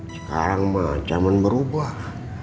sekarang mah zaman berubah